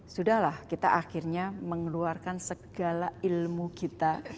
sudahlah kita akhirnya mengeluarkan segala ilmu kita